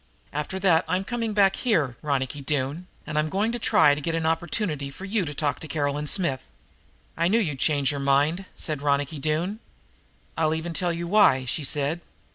After that I'm coming back here, Ronicky Doone, and I'm going to try to get an opportunity for you to talk to Caroline Smith." "I knew you'd change your mind," said Ronicky Doone. "I'll even tell you why," she said.